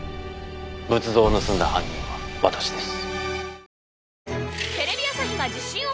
仏像を盗んだ犯人は私です。